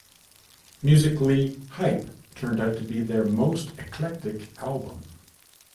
Musically "Hype" turned out to be their most eclectic album.